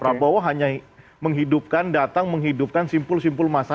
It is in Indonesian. prabowo hanya menghidupkan datang menghidupkan simpul simpulnya